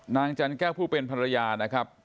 จันแก้วผู้เป็นภรรยานะครับ